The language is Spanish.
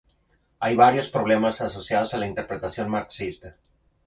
Hay varios problemas asociados a la interpretación marxista.